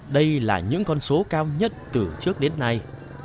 đây là những con số cao nhất từ trước đến nay